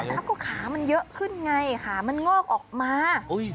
แล้วก็ขามันเยอะขึ้นไงขามันงอกออกมา